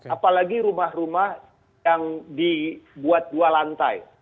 apalagi rumah rumah yang dibuat dua lantai